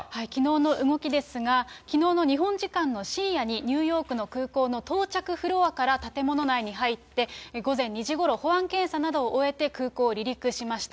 きのうの動きですが、きのうの日本時間の深夜にニューヨークの空港の到着フロアから建物内に入って、午前２時ごろ、保安検査などを終えて空港を離陸しました。